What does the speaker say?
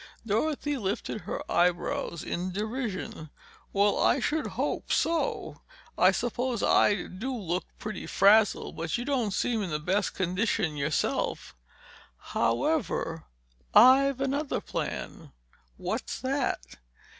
Dorothy lifted her eyebrows in derision. "Well, I should hope so! I suppose I do look pretty frazzled—but you don't seem in the best condition yourself. However—I've another plan." "What's that?"